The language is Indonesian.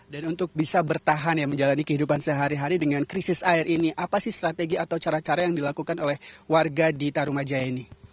dan untuk bisa bertahan ya menjalani kehidupan sehari hari dengan krisis air ini apa sih strategi atau cara cara yang dilakukan oleh warga di tarumajaya ini